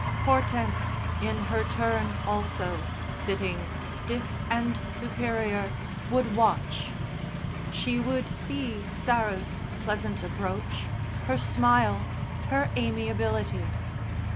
Hortense, in her turn also, sitting, stiff and superior, would watch. She would see Sarah's pleasant approach, her smile, her amiability.